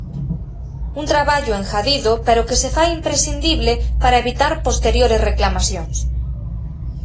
Un traballo engadido pero que se fai imprescindible para evitar posteriores reclamacións.